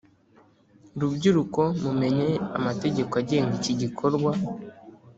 Rubyiruko mumenya amategeko agenga iki gikorwa